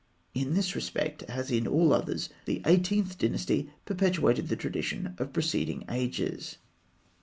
In this respect, as in all others, the Eighteenth Dynasty perpetuated the tradition of preceding ages.